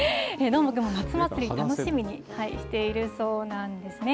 どーもくんも夏祭り、楽しみにしているそうなんですね。